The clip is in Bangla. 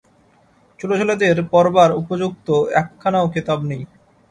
ছোট ছেলেদের পড়বার উপযুক্ত একখানাও কেতাব নেই।